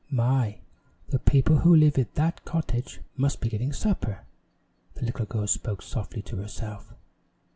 "My, the people who live in that cottage must be getting supper!" The little girl spoke softly to herself.